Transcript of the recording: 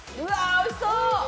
おいしそう！